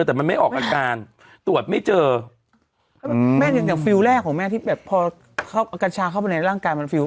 แต่มันไม่ออกอาการตรวจไม่เจอแม่อย่างฟิลแรกของแม่ที่แบบพอเอากัญชาเข้าไปในร่างกายมันฟิล